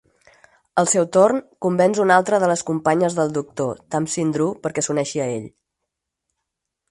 Al seu torn, convenç una altra de les companyes del doctor, Tamsin Drew, perquè s'uneixi a ell.